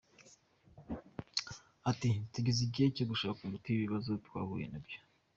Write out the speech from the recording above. Ati “Tugeze igihe cyo gushaka umuti w’ibibazo twahuye na byo.